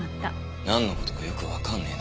なんの事かよくわかんねえな。